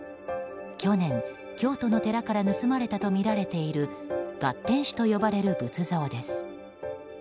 去年、京都の寺から盗まれたとみられている月天子像と呼ばれる仏像です。